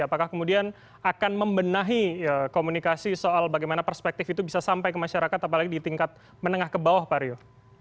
apakah kemudian akan membenahi komunikasi soal bagaimana perspektif itu bisa sampai ke masyarakat apalagi di tingkat menengah ke bawah pak rio